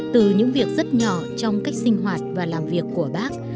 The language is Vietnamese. từ những việc rất nhỏ trong cách sinh hoạt và làm việc của bác